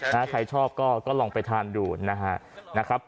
ใครชอบก็ลองไปทานดูนะครับ